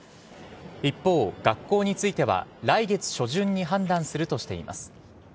一方、学校については来月初旬に判断するとしています。